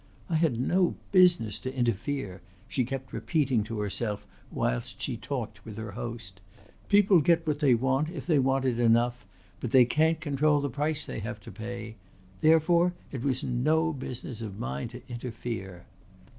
"I had no business to interfere," she kept repeating to herself whilst she talked with her host. "People get what they want if they want it enough, but they can't control the price they have to pay. Therefore it was no business of mine to interfere."